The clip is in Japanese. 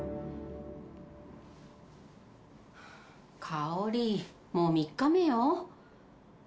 香織もう３日目よ